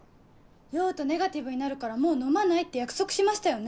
酔うとネガティブになるからもう飲まないって約束しましたよね？